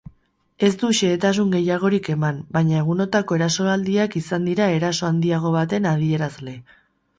Ez du xehetasun gehiagorik eman, baina egunotako erasoaldiak izan dira eraso handiago baten adierazle.